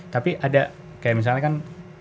tapi ada kayak misalnya kan